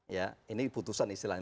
ya ini putusan istilahnya